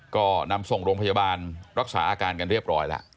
ก็นำส่งโรงพยาบาลรักษาอาการกันเรียบร้อยแล้ว